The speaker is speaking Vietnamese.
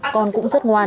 con cũng rất ngoan